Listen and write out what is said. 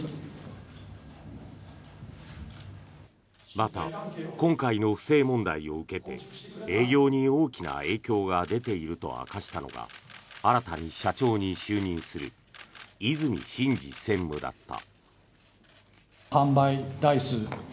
また、今回の不正問題を受けて営業に大きな影響が出ていると明かしたのが新たに社長に就任する和泉伸二専務だった。